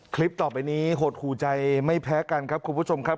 คลิปต่อไปนี้หดหูใจไม่แพ้กันครับคุณผู้ชมครับ